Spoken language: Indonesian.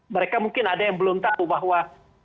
mereka mungkin ada yang belum tahu bahwa